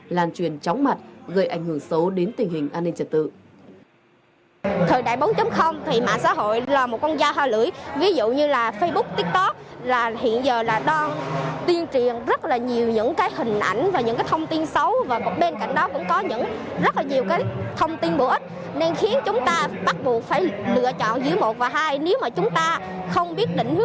lan truyền chóng mặt gây ảnh hưởng xấu đến tình hình an ninh trật tự